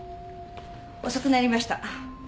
遅くなりました。